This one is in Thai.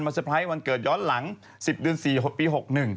เตอร์ไพรส์วันเกิดย้อนหลัง๑๐เดือน๔๖ปี๖๑